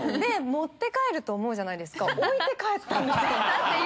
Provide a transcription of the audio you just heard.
持って帰ると思うじゃないですか。